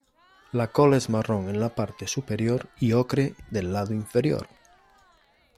La cola es marrón en la parte superior y ocre del lado inferior.